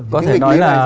có thể nói là